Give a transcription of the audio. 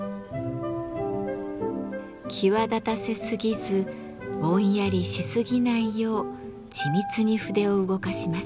際立たせすぎずぼんやりしすぎないよう緻密に筆を動かします。